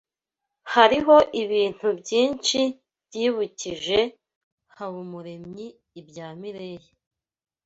Hariho ibintu byinshi byibukije Habumuremyi ibya Mirelle.